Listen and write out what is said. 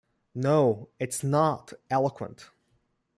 No, it's not eloquent.